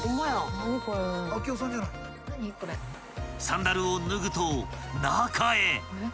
［サンダルを脱ぐと中へ］